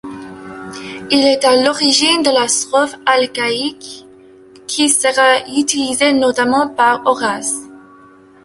Il est à l'origine de la strophe alcaïque, qui sera utilisée notamment par Horace.